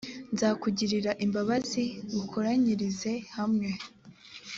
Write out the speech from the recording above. nzakugirira imbabazi ngukoranyirize hamwe